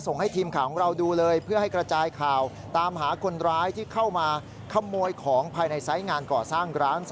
นี่คือขโมยครับ